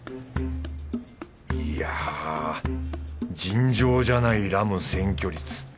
いやぁ尋常じゃないラム占拠率。